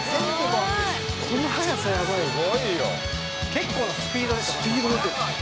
結構なスピードですよ。